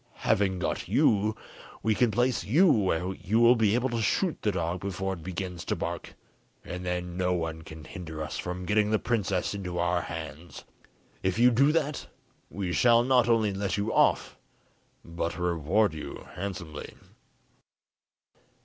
Having got you, we can place you where you will be able to shoot the dog before it begins to bark, and then no one can hinder us from getting the princess into our hands. If you do that, we shall not only let you off, but reward you handsomely."